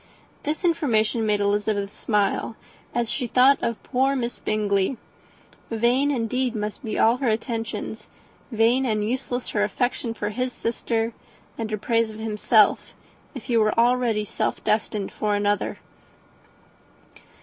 This information made Elizabeth smile, as she thought of poor Miss Bingley. Vain indeed must be all her attentions, vain and useless her affection for his sister and her praise of himself, if he were already self destined to another.